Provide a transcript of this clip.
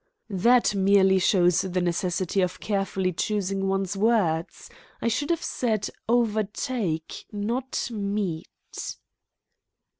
"That merely shows the necessity of carefully choosing one's words. I should have said 'overtake,' not 'meet.'"